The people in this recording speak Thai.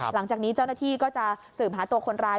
หลังจากนี้เจ้าหน้าที่ก็จะสืบหาตัวคนร้าย